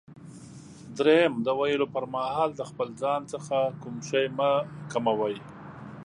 دریم: د ویلو پر مهال د خپل ځان څخه کوم شی مه کموئ.